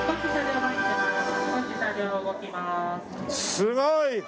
すごい！